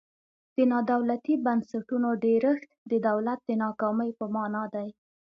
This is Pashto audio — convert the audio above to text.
د نا دولتي بنسټونو ډیرښت د دولت د ناکامۍ په مانا دی.